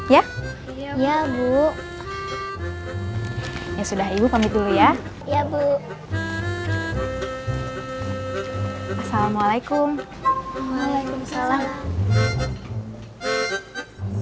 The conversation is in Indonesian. ya bu ya sudah ibu pamit dulu ya iya bu assalamualaikum waalaikumsalam